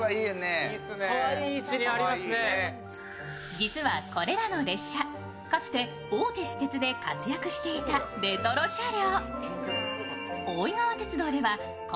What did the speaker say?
実はこれらの列車、かつて大手私鉄で活躍していたレトロ車両。